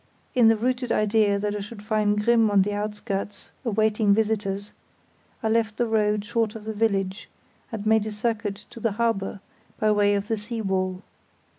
In the rooted idea that I should find Grimm on the outskirts, awaiting visitors, I left the road short of the village, and made a circuit to the harbour by way of the sea wall.